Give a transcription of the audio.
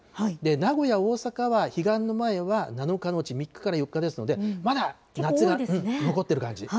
名古屋、大阪は彼岸の前は７日のうち３日から４日ですから、まだ夏が残ってる感じ。